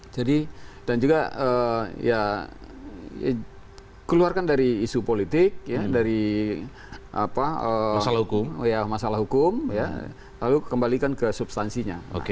dan juga ya keluarkan dari isu politik dari masalah hukum lalu kembalikan ke substansinya